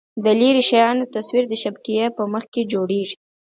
د لیرې شیانو تصویر د شبکیې په مخ کې جوړېږي.